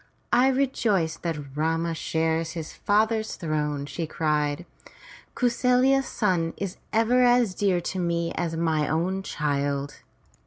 "I rejoice that Rama shares his father's throne!" she cried. '*Kau sarya's son is even as dear to me as mine own child.